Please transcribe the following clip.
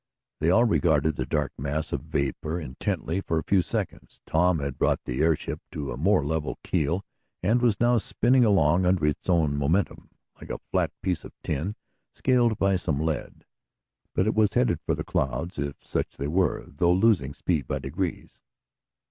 They all regarded the dark mass of vapor intently for a few seconds. Tom had brought the airship to a more level keel, and it was now spinning along under its own momentum, like a flat piece of tin, scaled by some lead. But it was headed for the clouds, if such they were, though losing speed by degrees.